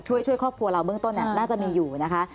ช่วยครอบครัวเราเบื้องต้นน่าจะมีอยู่นะคะ